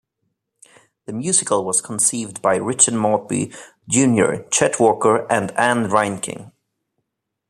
The musical was conceived by Richard Maltby, Junior, Chet Walker, and Ann Reinking.